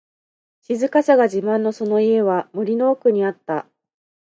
静かさが自慢のその家は、森の奥にあった。